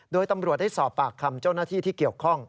โดยตำรวจได้สอบปากคำเจ้าหน้าที่ที่เกี่ยวข้อง